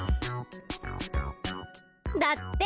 だって！